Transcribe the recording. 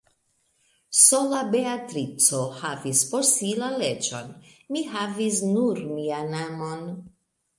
Sola Beatrico havis por si la leĝon; mi havis nur mian amon.